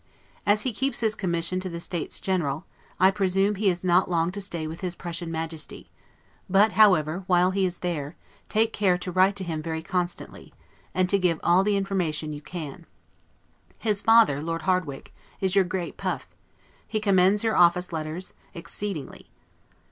As he keeps his commission to the States General, I presume he is not to stay long with his Prussian Majesty; but, however, while he is there, take care to write to him very constantly, and to give all the information you can. His father, Lord Hardwicke, is your great puff: he commends your office letters, exceedingly.